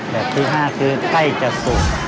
ที่๕คือใกล้จะสุก